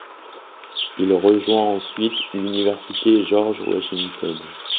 Il rejoint ensuite l'université George Washington.